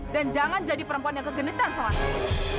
dan jangan jadi perempuan yang kegenetan sama aku